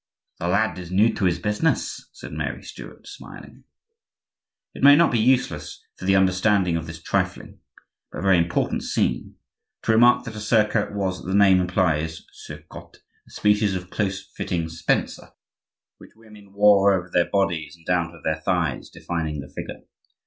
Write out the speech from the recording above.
"The lad is new to his business," said Mary Stuart, smiling. It may not be useless, for the understanding of this trifling, but very important scene, to remark that a surcoat was, as the name implies (sur cotte), a species of close fitting spencer which women wore over their bodies and down to their thighs, defining the figure.